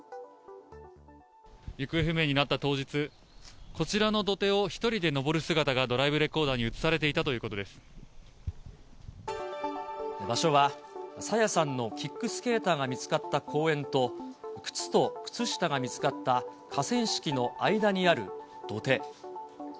行方不明になった当日、こちらの土手を１人で登る姿がドライブレコーダーに写されていた場所は、朝芽さんのキックスケーターが見つかった公園と、靴と靴下が見つかった河川敷の間にある土手。